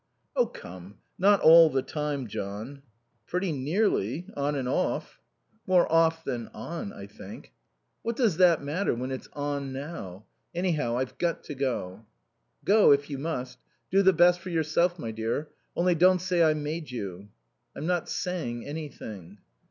"Oh come, not all the time, John." "Pretty nearly. On and off." "More off than on, I think." "What does that matter when it's 'on' now? Anyhow I've got to go." "Go, if you must. Do the best for yourself, my dear. Only don't say I made you." "I'm not saying anything."